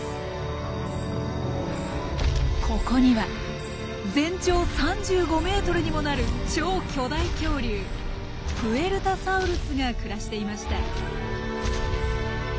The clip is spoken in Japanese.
ここには全長３５ｍにもなる超巨大恐竜プエルタサウルスが暮らしていました。